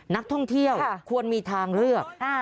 นักท่องเที่ยวควรมีทางเลือก